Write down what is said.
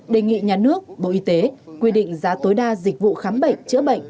đề nghị nhà nước bộ y tế quy định giá tối đa dịch vụ khám bệnh chữa bệnh